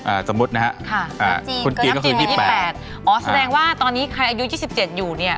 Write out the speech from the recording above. สมมุตินะฮะค่ะอ่าจีนทัพจีนเป็นยี่แปดอ๋อแสดงว่าตอนนี้ใครอายุยี่สิบเจ็ดอยู่เนี่ย